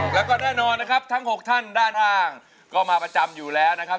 แล้วก็แน่นอนนะครับทั้ง๖ท่านด้านล่างก็มาประจำอยู่แล้วนะครับ